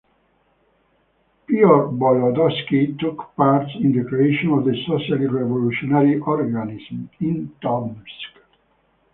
Pyotr Vologodsky took part in the creation of the Socialist Revolutionary Organization in Tomsk.